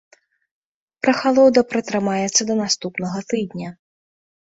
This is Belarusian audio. Прахалода пратрымаецца да наступнага тыдня.